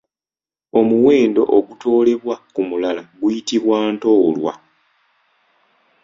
Omuwendo ogutoolebwa ku mulala guyitibwa Ntoolwa.